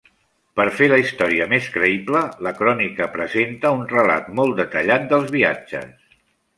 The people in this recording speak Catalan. Per fer la història més creïble, la crònica presenta un relat molt detallat dels viatges.